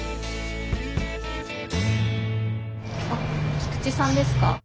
あっ菊池さんですか？